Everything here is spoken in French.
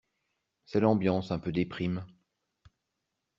C'est l'ambiance un peu déprime.